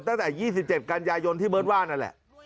ตั้งแต่๒๗กันยายนที่เบิร์ตว่านั่นแหละ